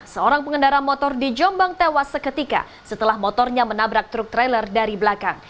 seorang pengendara motor di jombang tewas seketika setelah motornya menabrak truk trailer dari belakang